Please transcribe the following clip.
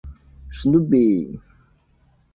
史努比。